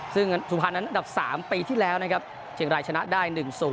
ซึ่งสุพรรณนั้นอันดับ๓ปีที่แล้วนะครับเชียงรายชนะได้๑๐